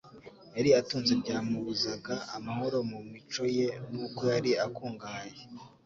yari atunze byamubuzaga amahoro mu mico ye n'uko yari akungahaye.